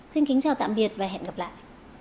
xin kính chào tạm biệt và hẹn gặp lại